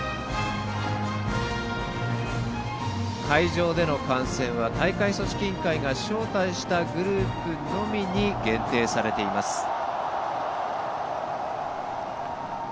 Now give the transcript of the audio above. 会場での観戦は大会組織委員会が招待したグループのみに限定されています。